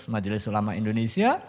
majelis ulama indonesia